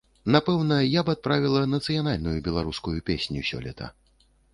Напэўна, я б адправіла нацыянальную беларускую песню сёлета.